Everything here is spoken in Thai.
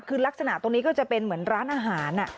คือลักษณะตรงนี้ก็จะเป็นเหมือนร้านอาหาร